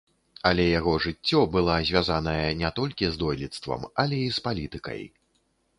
Але яго жыццё была звязаная не толькі з дойлідствам, але і з палітыкай.